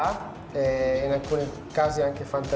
tergantung dari saat